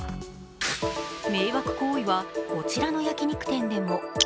迷惑行為はこちらの焼き肉店でも。